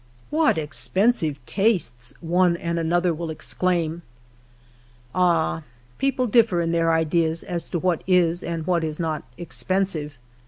" Wliat expensive tastes !" one and another will exclaim. Ah, people differ in their ideas as to what is and what is not expensive.